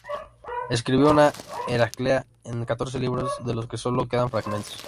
Escribió una "Heraclea" en catorce libros, de los que solo quedan fragmentos.